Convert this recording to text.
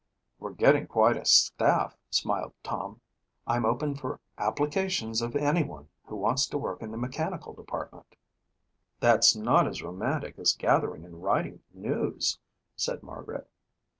"We're getting quite a staff," smiled Tom. "I'm open for applications of anyone who wants to work in the mechanical department." "That's not as romantic as gathering and writing news," said Margaret.